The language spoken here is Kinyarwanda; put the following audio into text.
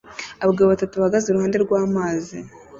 Abagabo batatu bahagaze iruhande rw'amazi